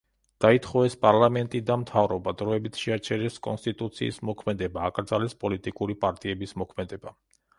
დაითხოვეს პარლამენტი და მთავრობა, დროებით შეაჩერეს კონსტიტუციის მოქმედება, აკრძალეს პოლიტიკური პარტიების მოქმედება.